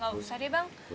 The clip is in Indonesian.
gak usah deh bang